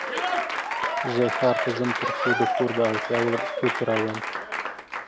زه ښار ته ځم ترڅو د کور د اړتیا وړ توکې راوړم.